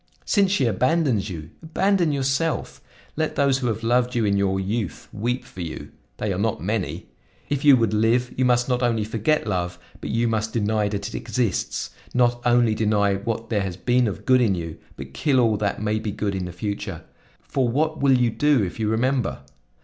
Since she abandons you, abandon yourself! Let those who have loved you in your youth weep for you! They are not many. If you would live, you must not only forget love but you must deny that it exists; not only deny what there has been of good in you, but kill all that may be good in the future; for what will you do if you remember?